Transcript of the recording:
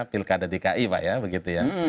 pilkada dki pak ya